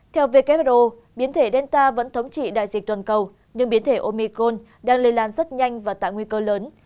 theo who biến thể delta vẫn thống trị đại dịch toàn cầu nhưng biến thể omicron đang lây lan rất nhanh và tạo nguy cơ lớn